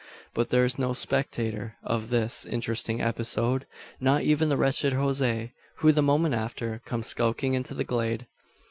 But there is no spectator of this interesting episode; not even the wretched Jose; who, the moment after, comes skulking into the glade.